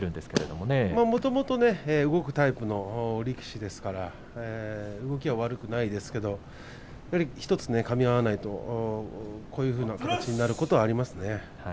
もともと動くタイプの力士ですから、動きは悪くないですけれど１つ、かみ合わないとこういうふうな形になることはありますね。